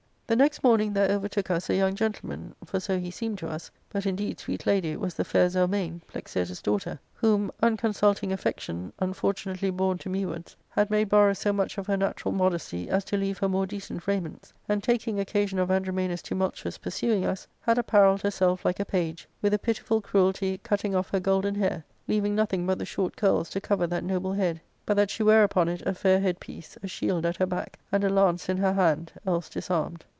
'" The next morning there overtook us a young gentleman, for so he seemed to us, but indeed, sweet lady, it was the fair Zelmane, Plexirtus' daughter, whom unconsulting affection, unfortunately borne to mewards, had made borrow so much of her natural modesty as to leave her more decent raiments, and, taking occasion of Andromana's tumultuous pursuing us, had apparelled herself like a page, with a pitiful cruelty cut* ting off her golden hair, leaving nothing but the short curls to cover that noble head, but that she ware upon it a fair head piece, a shield at her back, and a lance in her hand ; else disarmed.